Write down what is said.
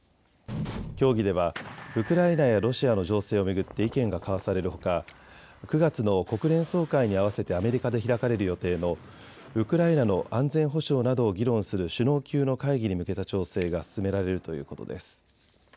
協議ではウクライナやロシアの情勢を巡って意見が交わされるほか、９月の国連総会に合わせてアメリカで開かれる予定のウクライナの安全保障などを議論する首脳級の会議に向けた調整が進められるということです。